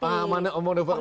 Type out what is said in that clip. pengamat media enggak dong